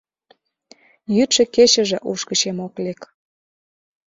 Йӱдшӧ-кечыже уш гычем ок лек.